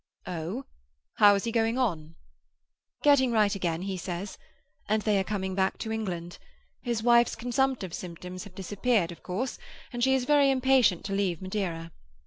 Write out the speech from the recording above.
"Oh? How is he going on?" "Getting right again, he says. And they are coming back to England; his wife's consumptive symptoms have disappeared, of course, and she is very impatient to leave Madeira.